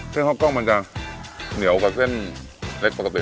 เส้นข้าวกล้องมันจะเหนียวกับเส้นเล็กปกติเนอะ